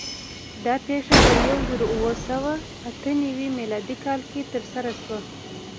دا پېښه په یو زرو اوه سوه اته نوي م کال کې ترسره شوه.